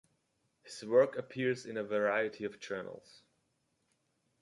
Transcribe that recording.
His work appears in a variety of journals.